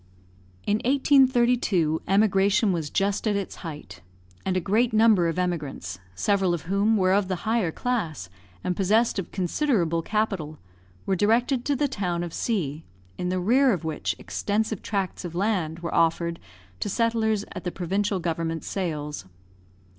In 1832 emigration was just at its height, and a great number of emigrants, several of whom were of the higher class, and possessed of considerable capital, were directed to the town of C , in the rear of which extensive tracts of land were offered to settlers at the provincial government sales.